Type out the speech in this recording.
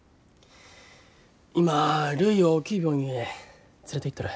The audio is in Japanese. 今るいを大きい病院へ連れていっとる。